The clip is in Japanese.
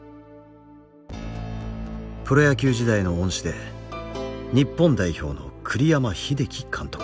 プロ野球時代の恩師で日本代表の栗山英樹監督。